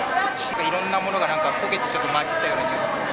いろんなものがなんか焦げて、ちょっと混じったような臭いがする。